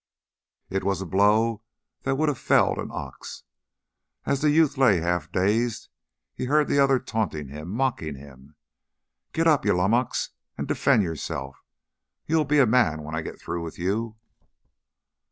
It was a blow that would have felled an ox. As the youth lay half dazed, he heard the other taunting him, mocking him. "Get up, you lummox, and defend yourself. You'll be a man when I get through with you."